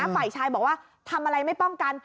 ฝ่ายชายบอกว่าทำอะไรไม่ป้องกัน